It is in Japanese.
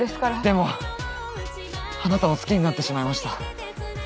でもあなたを好きになってしまいました。